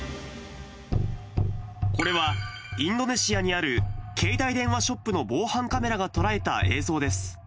これはインドネシアにある携帯電話ショップの防犯カメラが捉えた映像です。